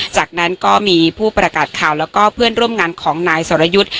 จากนั้นก็มีผู้ประกาศข่าวแล้วก็เพื่อนร่วมงานของนายสรยุทธ์